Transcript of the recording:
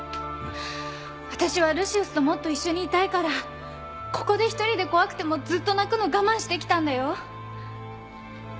私はルシウスともっと一緒にいたいからここで一人で怖くてもずっと泣くの我慢してきたんだよ